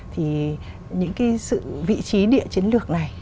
thì những cái vị trí địa chiến lược này